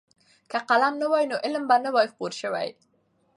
که قلم نه وای نو علم به نه وای خپور شوی.